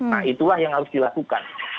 nah itulah yang harus dilakukan